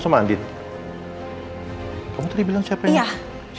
wah deladuknya ini